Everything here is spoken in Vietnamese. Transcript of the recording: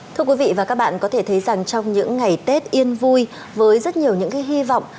thưa quý vị và các bạn có thể thấy rằng trong những ngày tết yên vui với rất nhiều những hy vọng